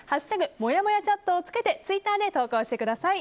「＃もやもやチャット」を付けてツイッターで投稿してください。